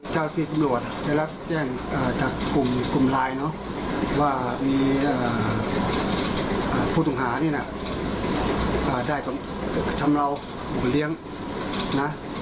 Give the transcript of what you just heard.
เจ้าที่ตำรวจได้รับแจ้งจากกลุ่มรายว่ามีผู้ต้องหาได้ทำราวหลวงเลี้ยงนะ